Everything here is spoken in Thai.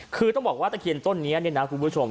คือต้องบอกว่าตะเคียนต้นนี้เนี่ยนะคุณผู้ชม